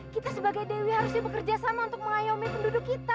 kita sebagai dewi harusnya bekerja sama untuk mengayomi penduduk kita